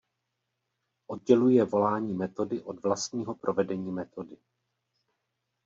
Odděluje volání metody od vlastního provedení metody.